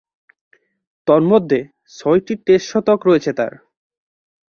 তন্মধ্যে, ছয়টি টেস্ট শতক রয়েছে তার।